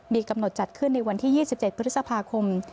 มีกำหนดจัดขึ้นในวันที่๒๗พฤษภาคม